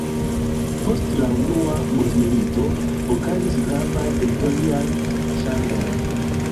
Post la unua mondmilito okazis gravaj teritoriaj ŝanĝoj.